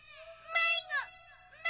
まいご！